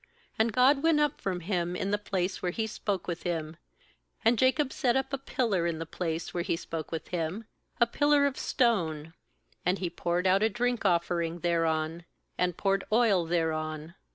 13And God went up from him in the place where He spoke with him. 14And Jacob set up a pillar in the place where He spoke with him, a pillar of stone, and he poured out a drink offering thereon, id poured oil thereon.